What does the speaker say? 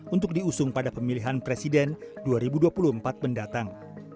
untuk diusung pada pemilihan presiden dua ribu dua puluh empat mendatang